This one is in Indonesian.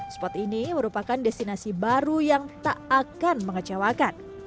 spot ini merupakan destinasi baru yang tak akan mengecewakan